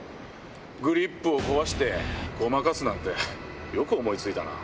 グリップを壊してごまかすなんてよく思い付いたな。